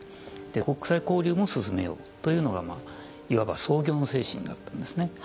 国際交流も進めようというのがいわば創業の精神だったんですね。